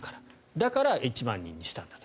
だから１万人にしたんだと。